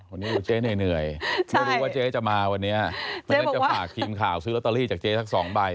วันนี้เจ๊เหนื่อยไม่รู้ว่าเจ๊จะมาวันนี้เพราะฉะนั้นจะฝากทีมข่าวซื้อลอตเตอรี่จากเจ๊สักสองใบ